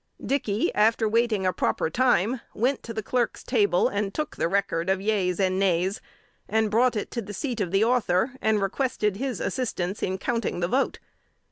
Dickey, after waiting a proper time, went to the Clerk's table, and took the record of yeas and nays, and brought it to the seat of the Author, and requested his assistance in counting the vote.